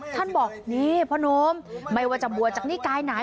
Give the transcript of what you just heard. ท่านบอกนี่พ่อนมไม่ว่าจำบวชจากนี่ใกล้ไหน